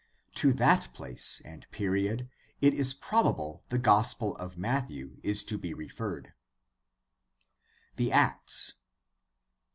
To that place and period it is probable the Gospel of Matthew is to be referred. The Acts.